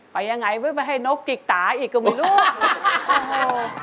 ไปยังไงไม่ให้นกกิ๋กตาอีกละมึงลูก